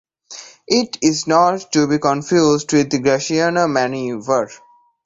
It is not to be confused with "Garcinia mannii" var.